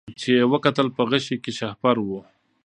چي یې وکتل په غشي کي شهپر وو